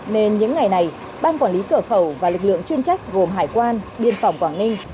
nên những ngày này ban quản lý cửa khẩu và lực lượng chuyên trách gồm hải quan biên phòng quảng ninh